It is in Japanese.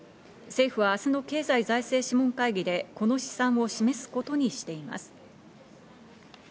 政府は明日の経済財政諮問会議でこの試算を示すことにしています。